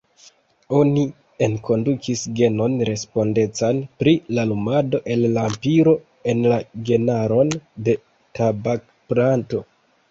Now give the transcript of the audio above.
Oni enkondukis genon respondecan pri la lumado el lampiro en la genaron de tabakplanto.